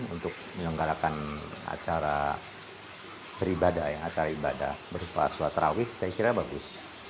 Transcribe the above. untuk menyelenggarakan acara beribadah ya acara ibadah berupa sholat terawih saya kira bagus